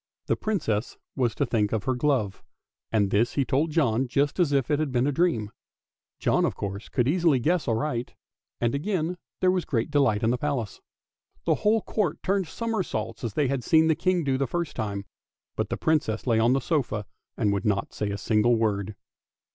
The Princess was to think of her glove, and this he told John just as if it had been a dream. John of course could easily guess aright, and again there was great delight at the Palace. The whole court turned somersaults, as they had seen the King do the first time ; but the Princess lay on the sofa and would not say a single word.